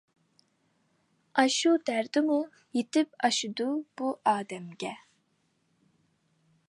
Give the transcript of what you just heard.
ئاشۇ دەردىمۇ يېتىپ ئاشىدۇ بۇ ئادەمگە.